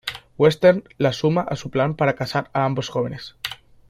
Western lo suma a su plan para casar a ambos jóvenes.